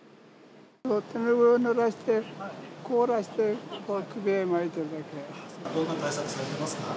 手拭いをぬらして、凍らせて、どんな対策されてますか？